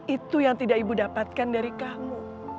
itu yang tidak ibu dapatkan dari kamu